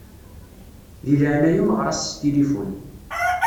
Di leɛnaya-m ɣeṛ-as s tilifun.